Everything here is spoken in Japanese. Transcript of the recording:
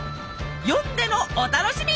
読んでのお楽しみ！